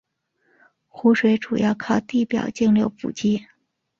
湖水主要靠地表径流补给。